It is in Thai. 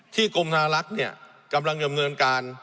กรมธนาลักษณ์กำลังดำเนินการ